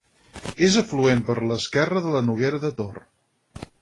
És afluent per l'esquerre de la Noguera de Tor.